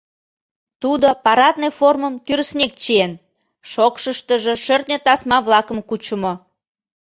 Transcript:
Тудо парадный формым тӱрыснек чиен, шокшыштыжо шӧртньӧ тасма-влакым кучымо.